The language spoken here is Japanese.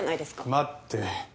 待って。